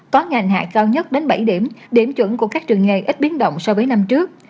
có ngành hạ cao nhất đến bảy điểm điểm chuẩn của các trường nghề ít biến động so với năm trước